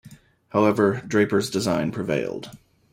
However, Draper's design prevailed.